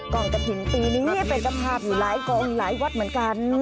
งกระถิ่นปีนี้เป็นเจ้าภาพอยู่หลายกองหลายวัดเหมือนกัน